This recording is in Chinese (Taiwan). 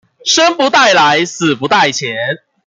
生不帶來，死不帶錢